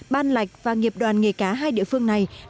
ban lạc và nghiệp đoàn nghề cá hai địa phương này